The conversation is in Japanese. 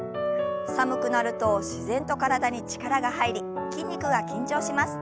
寒くなると自然と体に力が入り筋肉が緊張します。